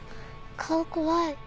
顔怖い。